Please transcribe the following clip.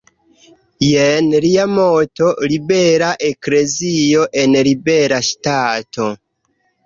Jen lia moto: "Libera eklezio en libera Ŝtato".